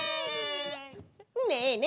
ねえねえ